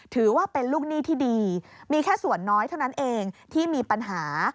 ถือว่าเป็นลูกหนี้ที่ดีมีแค่ส่วนน้อยเท่านั้นเองที่มีปัญหา